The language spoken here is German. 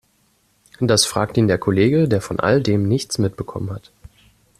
Das fragt ihn der Kollege, der von all dem nichts mitbekommen hat.